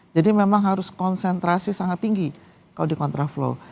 jadi memang harus konsentrasi sangat tinggi kalau di kontraflow